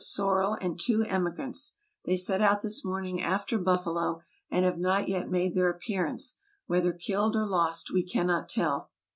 Sorel, and two emigrants. They set out this morning after buffalo, and have not yet made their appearance; whether killed or lost, we cannot tell."